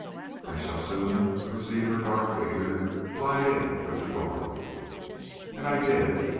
I shall soon perceive her dark figure glide in through the doorway. And I did.